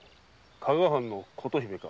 加賀藩の琴姫か。